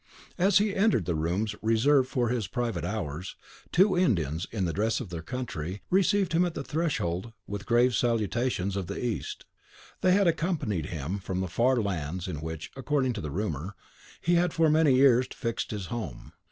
As he entered the rooms reserved for his private hours, two Indians, in the dress of their country, received him at the threshold with the grave salutations of the East. They had accompanied him from the far lands in which, according to rumour, he had for many years fixed his home.